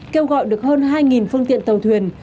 kêu gọi được hơn hai phương tiện tàu thuyền